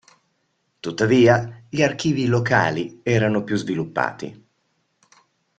Tuttavia, gli archivi "locali" erano più sviluppati.